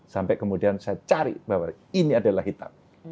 sampai kemudian saya cari bahwa ini adalah hitam